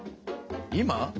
今？